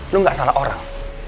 lo gak salah orang